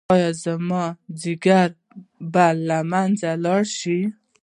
ایا زما ځیګر به له منځه لاړ شي؟